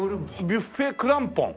ビュッフェ・クランポン。